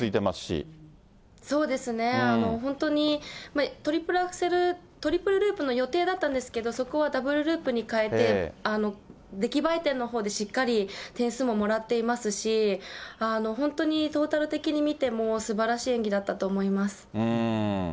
そうですね、本当にトリプルアクセル、トリプルループの予定だったんですけど、そこはダブルループに変えて、出来栄え点のほうでしっかり点数ももらっていますし、本当にトータル的に見ても、すばらしい演技だったと思います。